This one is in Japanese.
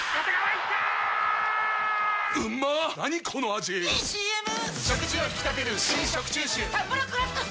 ⁉いいＣＭ！！